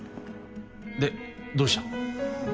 でどうした？